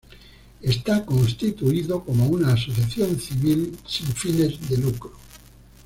Está constituido como una Asociación Civil sin fines de lucro.